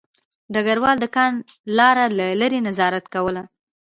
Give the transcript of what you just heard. ډګروال د کان لاره له لیرې نظارت کوله